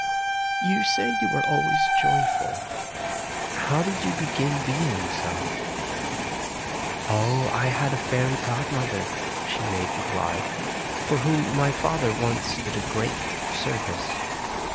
You say you are always joyful ? How did you begin being so ?" "Oh, I had a fairy godmother," she made reply, "for whom my father once did a great service.